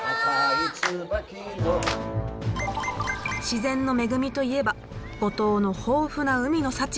自然の恵みといえば五島の豊富な海の幸。